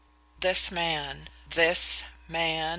"THIS man...THIS man..."